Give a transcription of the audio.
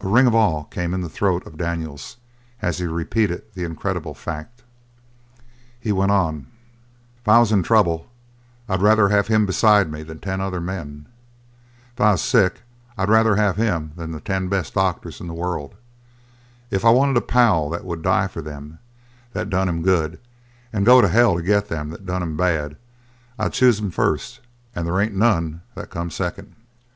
A ring of awe came in the throat of Daniels as he repeated the incredible fact. He went on: "If I was in trouble, I'd rather have him beside me than ten other men; if I was sick I'd rather have him than the ten best doctors in the world; if I wanted a pal that would die for them that done him good and go to hell to get them that done him bad, I'd choose him first, and there ain't none that come second."